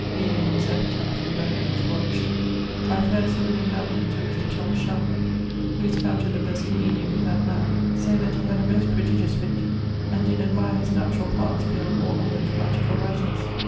Vide his epitaph in Dugdale's Warwickshire. I have heard Sir William Davenant and Mr. Thomas Shadwell (who is counted the best comoedian we have now) say that he had a most prodigious witt, and did admire his naturall parts beyond all other dramaticall writers.